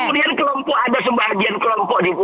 dan kemudian kelompok